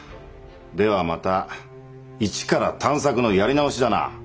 ではまた一から探索のやり直しだな。